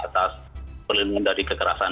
atas pelindung dari kekerasan